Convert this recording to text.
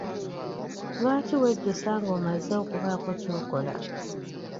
Lwaki wejjusa nga omaze okubaako ky'okola?